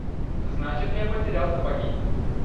Значит я потерял сапоги?